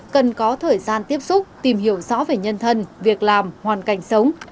cần có thời gian tiếp xúc tìm hiểu rõ về nhân thân việc làm hoàn cảnh sống